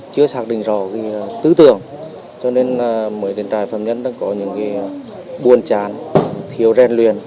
chúng tôi đã xác định rõ tư tưởng cho nên mới đến trại phạm nhân có những buồn chán thiếu rèn luyện